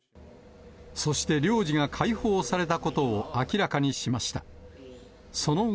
そして、領事が解放されたことを明らかにしました。